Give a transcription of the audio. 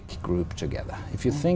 trong phần đầu tiên